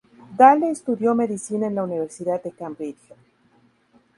Dale estudió medicina en la Universidad de Cambridge.